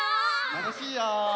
たのしいよ！